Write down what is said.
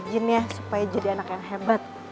ya ini pahancheta iya ini pahancheta moh arleta